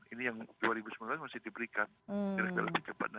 ini yang dua ribu sembilan belas masih diberikan